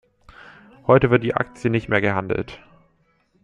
Heute wird die Aktie nicht mehr gehandelt.